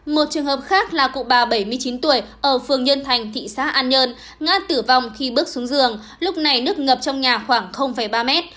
một trường hợp khác là cụ bà bảy mươi chín tuổi ở phường nhân thành thị xã an nhơn ngã tử vong khi bước xuống giường lúc này nước ngập trong nhà khoảng ba mét